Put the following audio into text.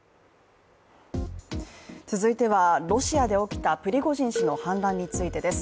続いては、ロシアで起きたプリゴジン氏の反乱についてです。